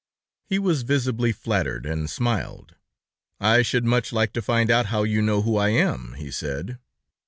He was visibly flattered, and smiled. "I should much like to find out how you know who I am?" he said.